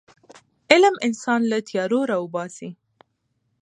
علم انسان له تیارو راباسي.